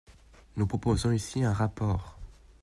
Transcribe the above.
Nous proposons ici un rapport.